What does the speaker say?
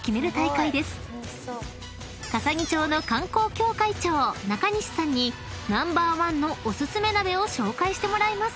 ［笠置町の観光協会長中西さんにナンバーワンのお薦め鍋を紹介してもらいます］